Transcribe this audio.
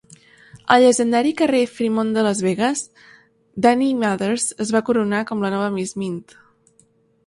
Al llegendari carrer Freemont de Las Vegas, Dani Mathers es va coronar com la nova Miss Mint.